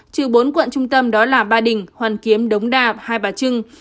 trừ bốn quận trung tâm đó là ba đình hoàn kiếm đống đa và hai bà trưng